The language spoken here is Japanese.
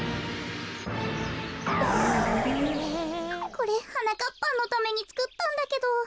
これはなかっぱんのためにつくったんだけど。